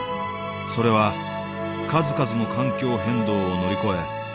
それは数々の環境変動を乗り越え